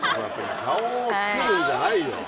顔をつくるんじゃないよ！